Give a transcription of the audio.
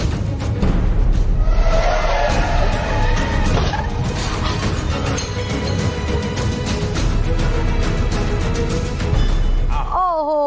โอ้โห